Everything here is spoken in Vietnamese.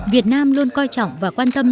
việt nam luôn coi trọng và quan tâm